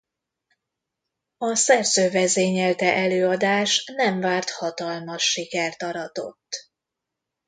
A szerző vezényelte előadás nem várt hatalmas sikert aratott.